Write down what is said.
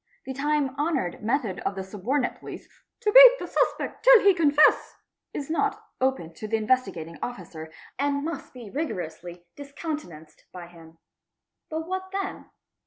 The time honoured method of the subordinate police, "to beat the st 34 | DACOITY 759 _.pect till he confess '', is not open to the Investigating Officer and must be rigorously discountenanced by him. But what then?